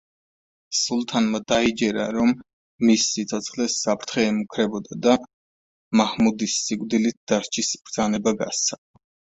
სულთანმა დაიჯერა, რომ მის სიცოცხლეს საფრთხე ემუქრებოდა და მაჰმუდის სიკვდილით დასჯის ბრძანება გასცა.